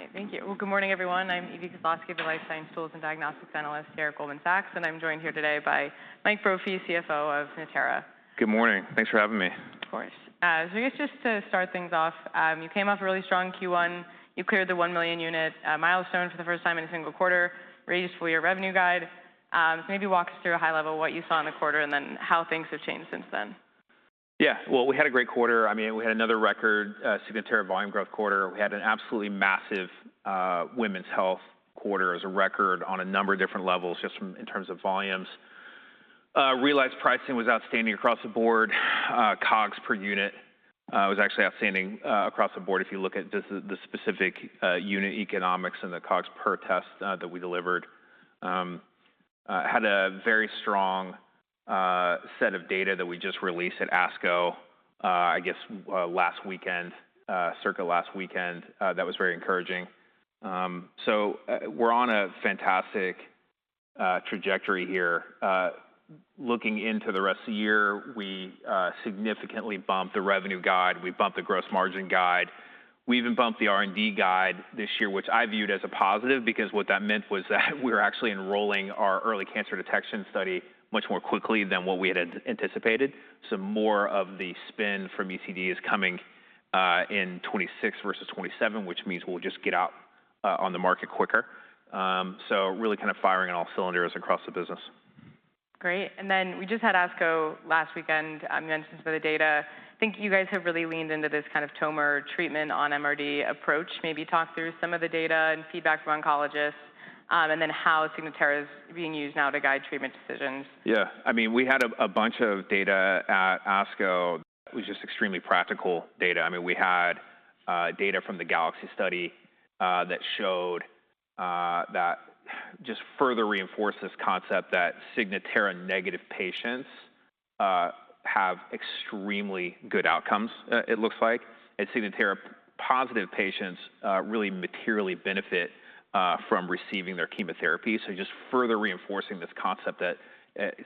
All right. Thank you. Well, good morning everyone. I'm Evie Koslosky, the Life Science Tools and Diagnostics Analyst here at Goldman Sachs. I'm joined here today by Mike Brophy, CFO of Natera. Good morning. Thanks for having me. Of course. I guess just to start things off, you came off a really strong Q1. You cleared the 1 million unit milestone for the first time in a single quarter, raised full year revenue guide. Maybe walk us through a high level of what you saw in the quarter, how things have changed since then. Yeah. Well, we had a great quarter. We had another record Signatera volume growth quarter. We had an absolutely massive women's health quarter as a record on a number of different levels, just in terms of volumes. Realized pricing was outstanding across the board. COGS per unit was actually outstanding across the board, if you look at just the specific unit economics and the COGS per test that we delivered. Had a very strong set of data that we just released at ASCO I guess last weekend, circa last weekend, that was very encouraging. We're on a fantastic trajectory here. Looking into the rest of the year, we significantly bumped the revenue guide. We bumped the gross margin guide. We even bumped the R&D guide this year, which I viewed as a positive because what that meant was that we were actually enrolling our early cancer detection study much more quickly than what we had anticipated. More of the spin from ECD is coming in 2026 versus 2027, which means we'll just get out on the market quicker. Really kind of firing on all cylinders across the business. Great, we just had ASCO last weekend. You mentioned some of the data. I think you guys have really leaned into this kind of tumor treatment on MRD approach. Maybe talk through some of the data and feedback from oncologists, and then how Signatera is being used now to guide treatment decisions. We had a bunch of data at ASCO. It was just extremely practical data. We had data from the GALAXY study that just further reinforced this concept that Signatera-negative patients have extremely good outcomes it looks like, Signatera-positive patients really materially benefit from receiving their chemotherapy. Just further reinforcing this concept that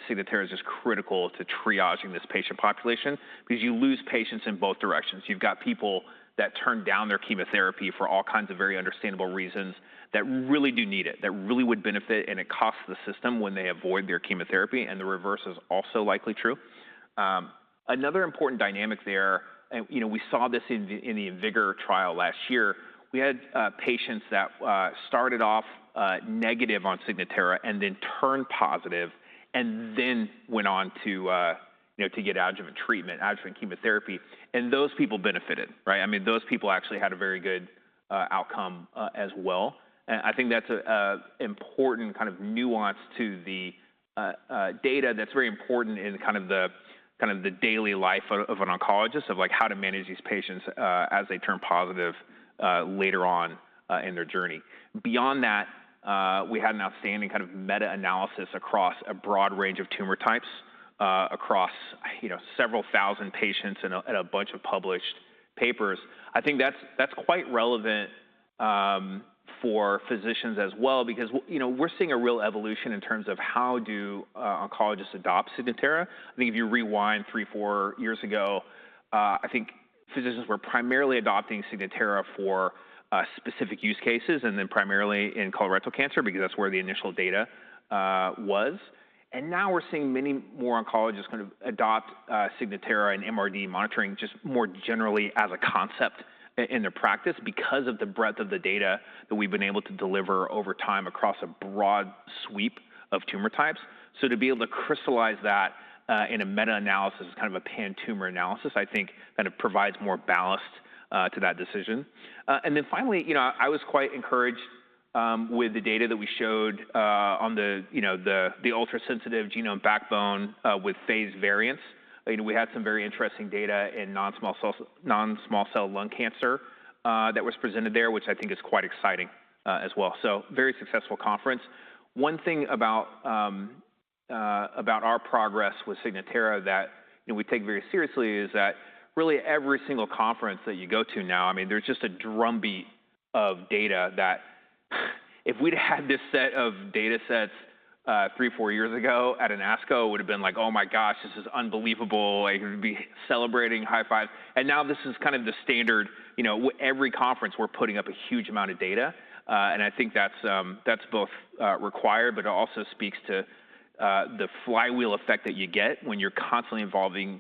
Signatera's just critical to triaging this patient population because you lose patients in both directions. You've got people that turn down their chemotherapy for all kinds of very understandable reasons that really do need it, that really would benefit, and it costs the system when they avoid their chemotherapy, and the reverse is also likely true. Another important dynamic there, we saw this in the IMvigor trial last year. We had patients that started off negative on Signatera and then turned positive, and then went on to get adjuvant treatment, adjuvant chemotherapy, and those people benefited. Those people actually had a very good outcome as well. I think that's an important kind of nuance to the data that's very important in the daily life of an oncologist, of how to manage these patients as they turn positive later on in their journey. Beyond that, we had an outstanding kind of meta-analysis across a broad range of tumor types, across several thousand patients in a bunch of published papers. I think that's quite relevant for physicians as well because we're seeing a real evolution in terms of how do oncologists adopt Signatera. I think if you rewind three, four years ago, I think physicians were primarily adopting Signatera for specific use cases, primarily in colorectal cancer because that's where the initial data was. Now we're seeing many more oncologists adopt Signatera and MRD monitoring just more generally as a concept in their practice because of the breadth of the data that we've been able to deliver over time across a broad sweep of tumor types. To be able to crystallize that in a meta-analysis as kind of a pan-tumor analysis, I think kind of provides more ballast to that decision. Finally, I was quite encouraged with the data that we showed on the ultra-sensitive genome backbone with phased variants. We had some very interesting data in non-small cell lung cancer that was presented there, which I think is quite exciting as well. Very successful conference. One thing about our progress with Signatera that we take very seriously is that really every single conference that you go to now, there's just a drumbeat of data that if we'd had this set of datasets three, four years ago at an ASCO, it would've been like, "Oh my gosh, this is unbelievable." We'd be celebrating, high five. Now this is kind of the standard. Every conference we're putting up a huge amount of data, I think that's both required, but it also speaks to the flywheel effect that you get when you're constantly investing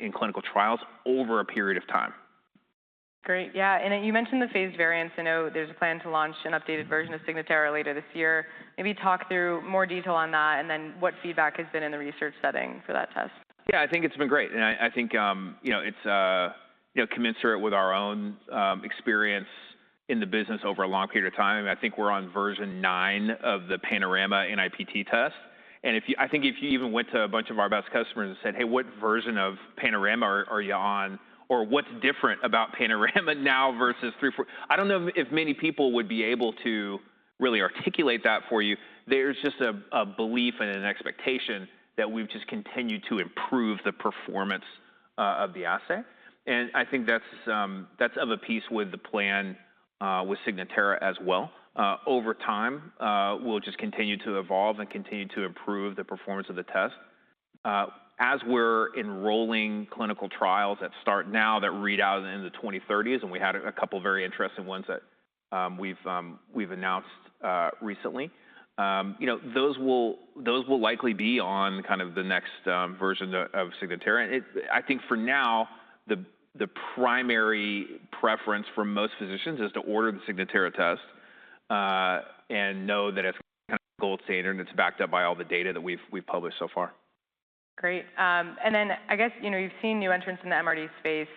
in clinical trials over a period of time. Great. You mentioned the phased variants. I know there's a plan to launch an updated version of Signatera later this year. Maybe talk through more detail on that, what feedback has been in the research setting for that test. I think it's been great, I think it's commensurate with our own experience in the business over a long period of time, I think we're on version nine of the Panorama NIPT test. I think if you even went to a bunch of our best customers and said, "Hey, what version of Panorama are you on?" Or "What's different about Panorama now versus three, four" I don't know if many people would be able to really articulate that for you. There's just a belief and an expectation that we've just continued to improve the performance of the assay, I think that's of a piece with the plan with Signatera as well. Over time, we'll just continue to evolve and continue to improve the performance of the test. As we're enrolling clinical trials that start now that read out in the 2030s, we had a couple of very interesting ones that we've announced recently. Those will likely be on the next version of Signatera. I think for now, the primary preference for most physicians is to order the Signatera test, and know that it's kind of the gold standard, and it's backed up by all the data that we've published so far. Great. Then, I guess, you've seen new entrants in the MRD space.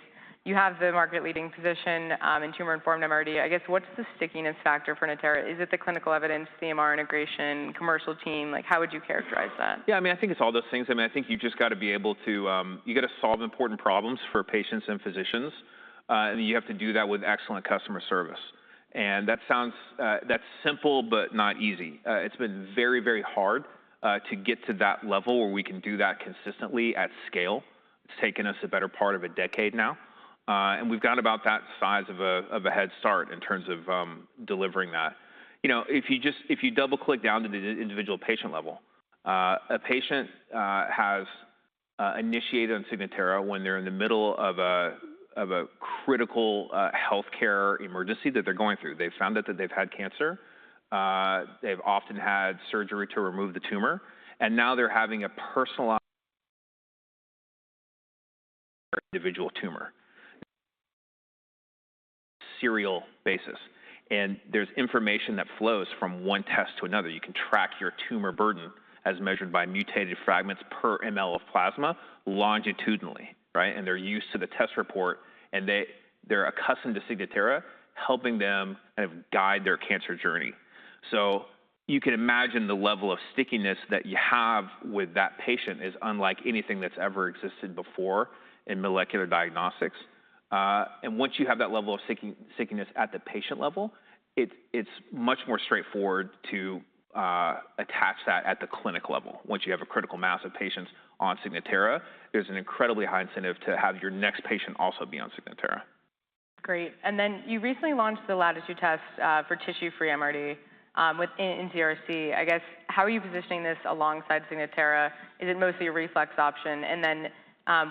You have the market-leading position in tumor-informed MRD. I guess, what's the stickiness factor for Natera? Is it the clinical evidence, EMR integration, commercial team? How would you characterize that? Yeah, I think it's all those things. I think you've just got to solve important problems for patients and physicians, you have to do that with excellent customer service. That's simple, but not easy. It's been very hard to get to that level where we can do that consistently at scale. It's taken us the better part of a decade now. We've got about that size of a head start in terms of delivering that. If you double-click down to the individual patient level, a patient has initiated on Signatera when they're in the middle of a critical healthcare emergency that they're going through. They've found out that they've had cancer. They've often had surgery to remove the tumor, now they're having a personalized individual tumor. Serial basis. There's information that flows from one test to another. You can track your tumor burden as measured by mutated fragments per mL of plasma longitudinally. They're used to the test report, they're accustomed to Signatera helping them guide their cancer journey. You can imagine the level of stickiness that you have with that patient is unlike anything that's ever existed before in molecular diagnostics. Once you have that level of stickiness at the patient level, it's much more straightforward to attach that at the clinic level. Once you have a critical mass of patients on Signatera, there's an incredibly high incentive to have your next patient also be on Signatera. Great. You recently launched the Latitude test, for tissue-free MRD, in CRC. I guess, how are you positioning this alongside Signatera? Is it mostly a reflex option?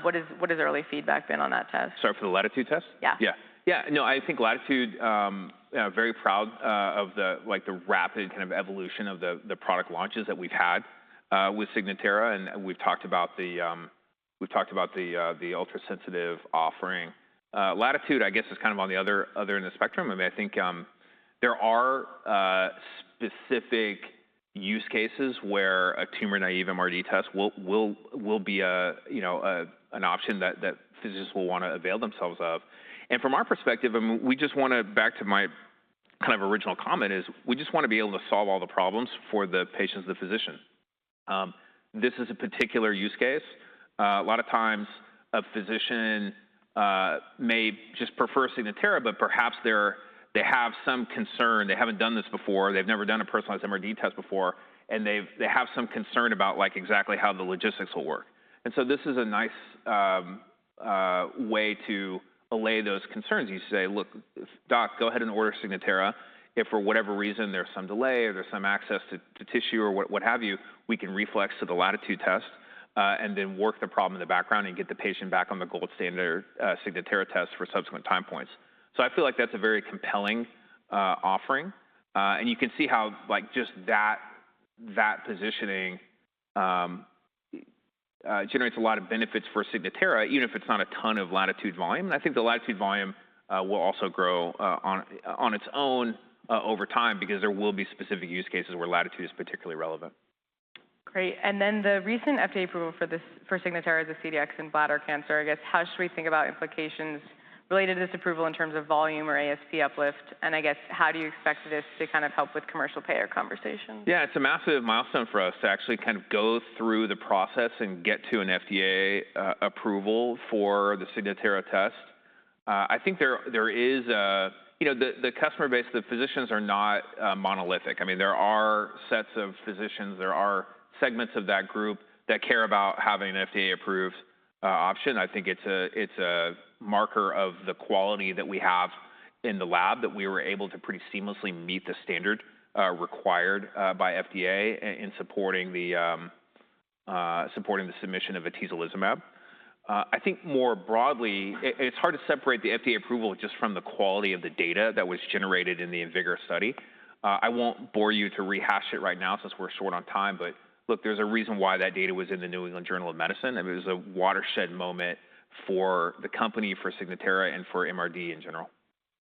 What has the early feedback been on that test? Sorry, for the Latitude test? Yeah. Yeah. No, I think Latitude, very proud of the rapid kind of evolution of the product launches that we've had with Signatera, and we've talked about the ultrasensitive offering. Latitude, I guess, is kind of on the other end of the spectrum. I think there are specific use cases where a tumor-naive MRD test will be an option that physicians will want to avail themselves of. From our perspective, back to my kind of original comment is, we just want to be able to solve all the problems for the patients and the physician. This is a particular use case. A lot of times, a physician may just prefer Signatera, but perhaps they have some concern. They haven't done this before. They've never done a personalized MRD test before, and they have some concern about exactly how the logistics will work. This is a nice way to allay those concerns. You say, "Look, Doc, go ahead and order Signatera." If for whatever reason there's some delay or there's some access to tissue or what have you, we can reflex to the Latitude test, then work the problem in the background and get the patient back on the gold standard Signatera test for subsequent time points. I feel like that's a very compelling offering. You can see how just that positioning generates a lot of benefits for Signatera, even if it's not a ton of Latitude volume. I think the Latitude volume will also grow on its own over time because there will be specific use cases where Latitude is particularly relevant. Great. Then the recent FDA approval for Signatera as a CDx in bladder cancer, I guess, how should we think about implications related to this approval in terms of volume or ASP uplift? I guess, how do you expect this to kind of help with commercial payer conversations? Yeah, it's a massive milestone for us to actually kind of go through the process and get to an FDA approval for the Signatera test. The customer base, the physicians are not monolithic. There are sets of physicians, there are segments of that group that care about having an FDA-approved option. I think it's a marker of the quality that we have in the lab that we were able to pretty seamlessly meet the standard required by FDA in supporting the submission of atezolizumab. I think more broadly, it's hard to separate the FDA approval just from the quality of the data that was generated in the IMvigor study. I won't bore you to rehash it right now since we're short on time, look, there's a reason why that data was in The New England Journal of Medicine, it was a watershed moment for the company, for Signatera, and for MRD in general.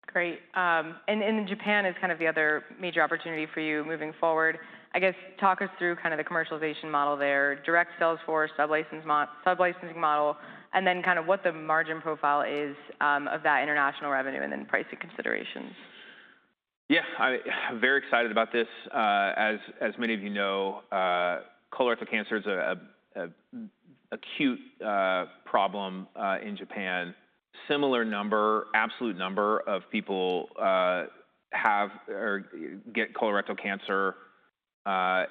Great. Then Japan is kind of the other major opportunity for you moving forward. I guess talk us through kind of the commercialization model there, direct sales force, sub-licensing model, then kind of what the margin profile is of that international revenue and then pricing considerations. I'm very excited about this. As many of you know, colorectal cancer is an acute problem in Japan. Similar absolute number of people get colorectal cancer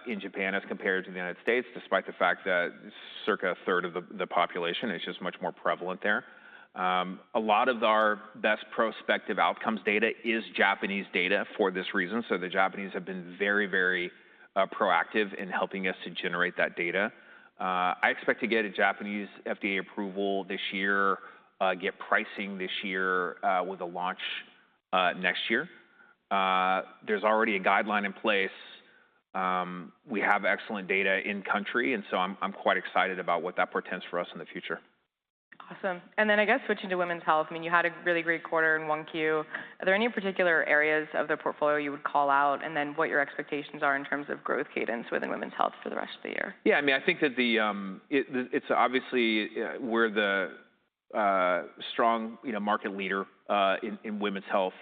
in Japan as compared to the U.S., despite the fact that it's circa a third of the population. It's just much more prevalent there. A lot of our best prospective outcomes data is Japanese data for this reason, so the Japanese have been very proactive in helping us to generate that data. I expect to get a Japanese FDA approval this year, get pricing this year, with a launch next year. There's already a guideline in place. We have excellent data in-country. I'm quite excited about what that portends for us in the future. Awesome. Switching to women's health, you had a really great quarter in 1Q. Are there any particular areas of the portfolio you would call out? What your expectations are in terms of growth cadence within women's health for the rest of the year? I think that we're the strong market leader in women's health.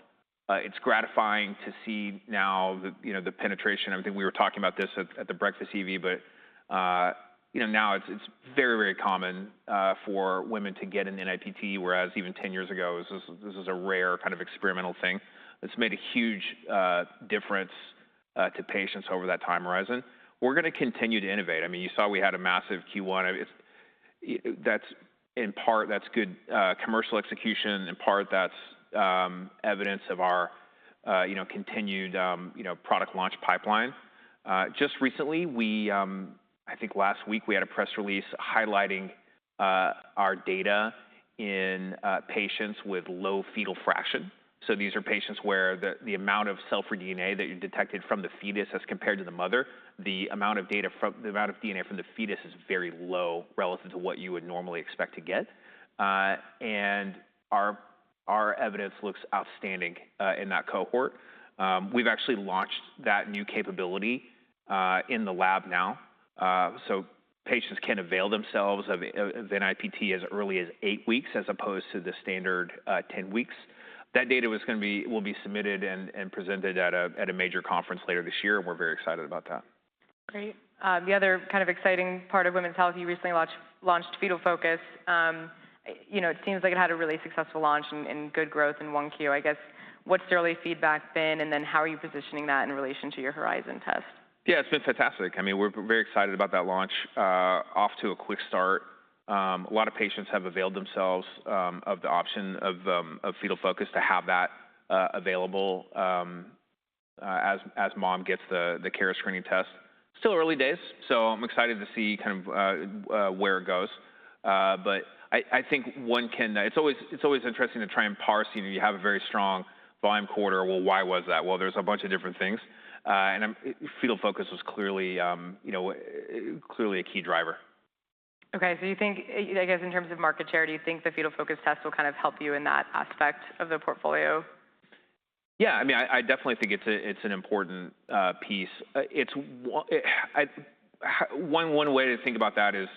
It's gratifying to see now the penetration. I think we were talking about this at the breakfast Evie, but now it's very common for women to get an NIPT, whereas even 10 years ago, this was a rare experimental thing. It's made a huge difference to patients over that time horizon. We're going to continue to innovate. You saw we had a massive Q1. In part, that's good commercial execution, and part that's evidence of our continued product launch pipeline. Just recently, I think last week, we had a press release highlighting our data in patients with low fetal fraction. These are patients where the amount of cell-free DNA that you detected from the fetus as compared to the mother, the amount of DNA from the fetus is very low relative to what you would normally expect to get. Our evidence looks outstanding in that cohort. We've actually launched that new capability in the lab now. Patients can avail themselves of an NIPT as early as eight weeks as opposed to the standard 10 weeks. That data will be submitted and presented at a major conference later this year. We're very excited about that. Great. The other exciting part of women's health, you recently launched Fetal Focus. It seems like it had a really successful launch and good growth in 1Q. What's the early feedback been, and then how are you positioning that in relation to your Horizon test? Yeah, it's been fantastic. We're very excited about that launch. Off to a quick start. A lot of patients have availed themselves of the option of Fetal Focus to have that available as mom gets the Natera screening test. Still early days, so I'm excited to see where it goes. I think it's always interesting to try and parse when you have a very strong volume quarter. Well, why was that? Well, there's a bunch of different things. Fetal Focus was clearly a key driver. Okay. I guess in terms of market share, do you think the Fetal Focus test will help you in that aspect of the portfolio? Yeah, I definitely think it's an important piece. One way to think about that is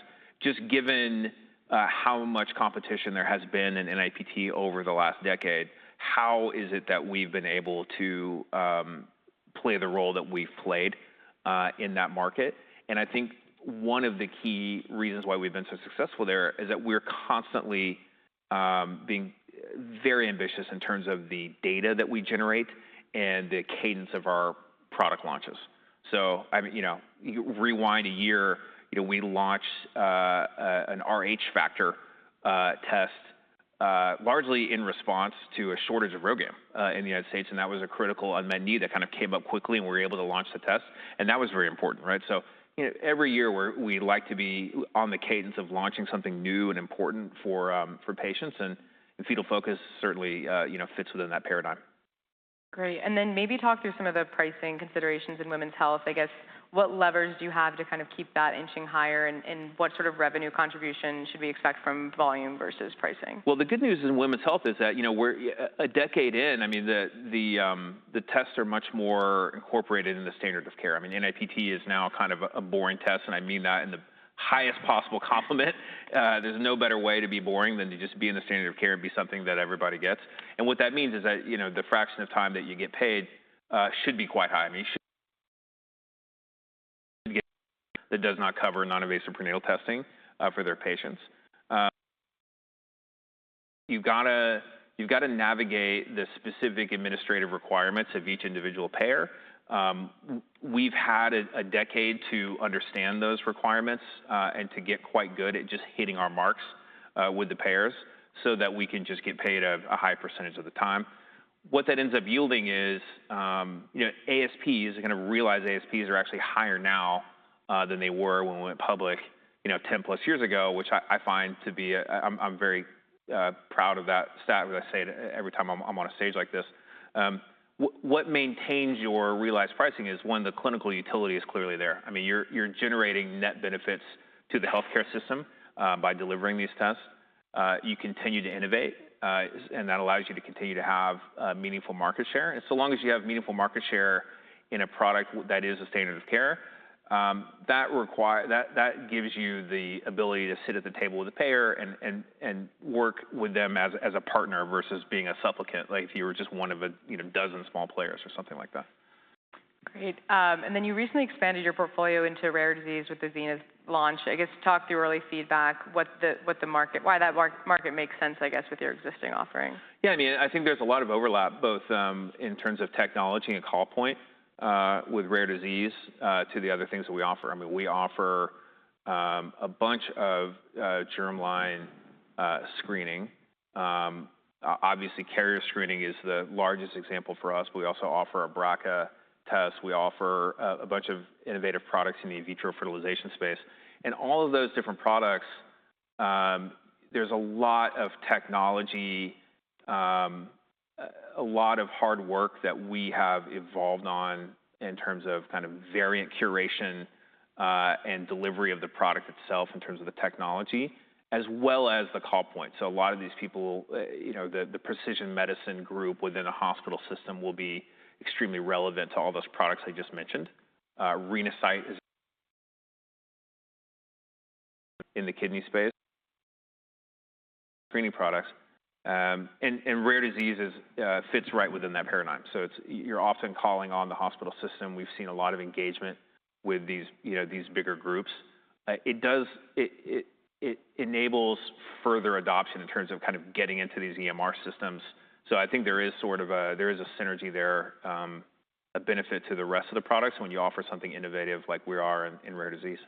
just given how much competition there has been in NIPT over the last decade, how is it that we've been able to play the role that we've played in that market? I think one of the key reasons why we've been so successful there is that we're constantly being very ambitious in terms of the data that we generate and the cadence of our product launches. You rewind a year, we launched an Rh factor test, largely in response to a shortage of RhoGAM in the U.S., and that was a critical unmet need that came up quickly, and we were able to launch the test, and that was very important. Every year, we like to be on the cadence of launching something new and important for patients, Fetal Focus certainly fits within that paradigm. Great. Maybe talk through some of the pricing considerations in women's health. What levers do you have to keep that inching higher, and what sort of revenue contribution should we expect from volume versus pricing? Well, the good news in women's health is that we're a decade in. The tests are much more incorporated in the standard of care. NIPT is now kind of a boring test, and I mean that in the highest possible compliment. There's no better way to be boring than to just be in the standard of care and be something that everybody gets. What that means is that the fraction of time that you get paid should be quite high. Get that does not cover non-invasive prenatal testing for their patients. You've got to navigate the specific administrative requirements of each individual payer. We've had a decade to understand those requirements, and to get quite good at just hitting our marks with the payers so that we can just get paid a high percentage of the time. What that ends up yielding is realized ASPs are actually higher now than they were when we went public 10-plus years ago, which I'm very proud of that stat, as I say it every time, I'm on a stage like this. What maintains your realized pricing is, one, the clinical utility is clearly there. You're generating net benefits to the healthcare system by delivering these tests. You continue to innovate, that allows you to continue to have meaningful market share. So long as you have meaningful market share in a product that is a standard of care, that gives you the ability to sit at the table with a payer and work with them as a partner versus being a supplicant, like if you were just one of a dozen small players or something like that. Great. You recently expanded your portfolio into rare disease with the Zenith launch. Talk through early feedback, why that market makes sense with your existing offerings? Yeah, I think there's a lot of overlap, both in terms of technology and call point with rare disease to the other things that we offer. We offer a bunch of germline screening. Obviously, carrier screening is the largest example for us. We also offer a BRCA test. We offer a bunch of innovative products in the in vitro fertilization space. In all of those different products, there's a lot of technology, a lot of hard work that we have evolved on in terms of variant curation and delivery of the product itself in terms of the technology, as well as the call point. A lot of these people, the precision medicine group within a hospital system will be extremely relevant to all those products I just mentioned. Renasight is in the kidney space, screening products, and rare diseases fits right within that paradigm. You're often calling on the hospital system. We've seen a lot of engagement with these bigger groups. It enables further adoption in terms of getting into these EMR systems. I think there is a synergy there, a benefit to the rest of the products when you offer something innovative like we are in rare disease.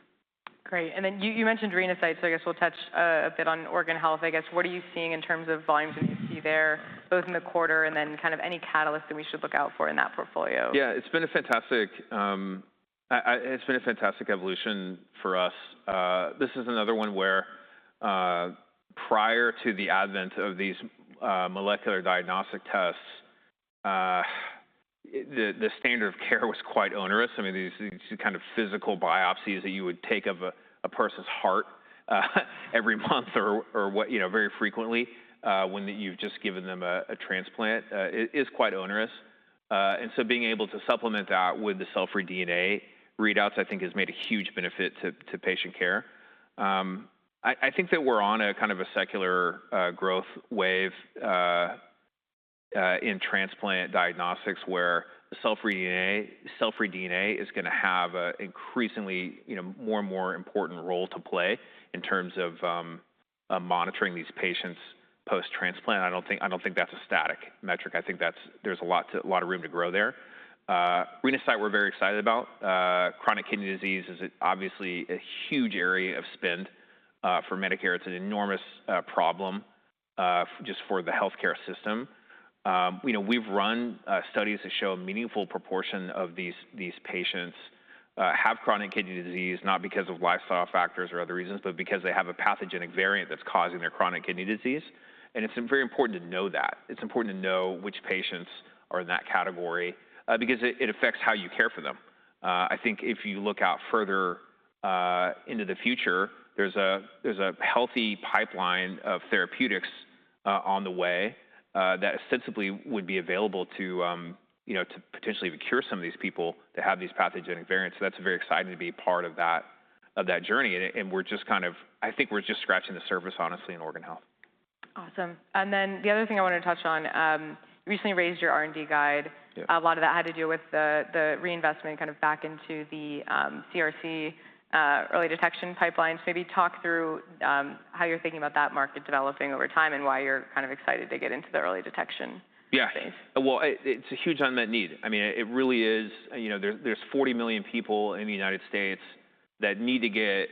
Great. You mentioned Renasight, so I guess we'll touch a bit on organ health, I guess. What are you seeing in terms of volumes that you see there, both in the quarter and any catalyst that we should look out for in that portfolio? It's been a fantastic evolution for us. This is another one where, prior to the advent of these molecular diagnostic tests, the standard of care was quite onerous. I mean, these kinds of physical biopsies that you would take of a person's heart every month or very frequently, when you've just given them a transplant, is quite onerous. Being able to supplement that with the cell-free DNA readouts, I think, has made a huge benefit to patient care. I think that we're on a kind of a secular growth wave in transplant diagnostics, where cell-free DNA is going to have an increasingly more and more important role to play in terms of monitoring these patient's post-transplant. I don't think that's a static metric. I think there's a lot of room to grow there. Renasight, we're very excited about. Chronic kidney disease is obviously a huge area of spend for Medicare. It's an enormous problem just for the healthcare system. We've run studies that show a meaningful proportion of these patients have chronic kidney disease, not because of lifestyle factors or other reasons, but because they have a pathogenic variant that's causing their chronic kidney disease, and it's very important to know that. It's important to know which patients are in that category, because it affects how you care for them. I think if you look out further into the future, there's a healthy pipeline of therapeutics on the way that ostensibly would be available to potentially cure some of these people that have these pathogenic variants. That's very exciting to be part of that journey. I think we're just scratching the surface, honestly, in organ health. Awesome. The other thing I wanted to touch on, you recently raised your R&D guide. Yeah. A lot of that had to do with the reinvestment back into the CRC early detection pipelines. Maybe talk through how you're thinking about that market developing over time, and why you're excited to get into the early detection phase. Yeah. It's a huge unmet need. There's 40 million people in the U.S. that need to get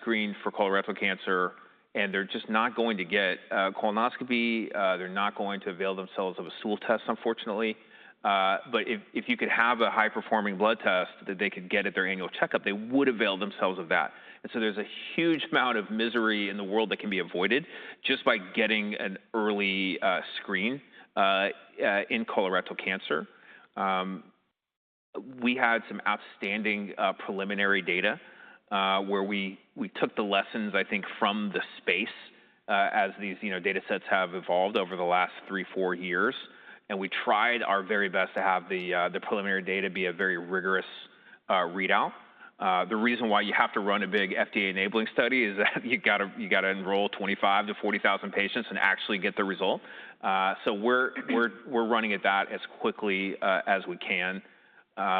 screened for colorectal cancer, and they're just not going to get a colonoscopy. They're not going to avail themselves of a stool test, unfortunately. If you could have a high-performing blood test that they could get at their annual checkup, they would avail themselves of that. There's a huge amount of misery in the world that can be avoided just by getting an early screen in colorectal cancer. We had some outstanding preliminary data, where we took the lessons, I think, from the space as these data sets have evolved over the last three, four years, and we tried our very best to have the preliminary data be a very rigorous readout. The reason why you have to run a big FDA-enabling study is that you got to enroll 25 to 40,000 patients and actually get the result. We're running at that as quickly as we can.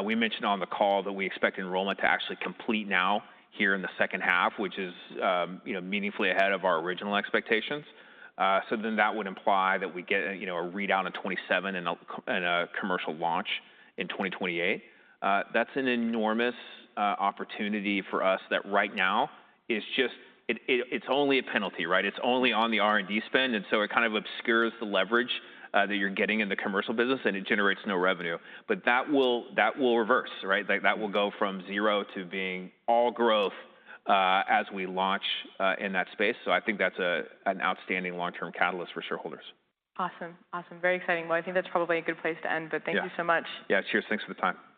We mentioned on the call that we expect enrollment to actually complete now here in the second half, which is meaningfully ahead of our original expectations. That would imply that we get a readout in 2027 and a commercial launch in 2028. That's an enormous opportunity for us that right now it's only a penalty. It's only on the R&D spend, it kind of obscures the leverage that you're getting in the commercial business, and it generates no revenue. That will reverse. That will go from zero to being all growth as we launch in that space. I think that's an outstanding long-term catalyst for shareholders. Awesome. Very exciting. I think that's probably a good place to end, thank you so much. Yeah. Cheers. Thanks for the time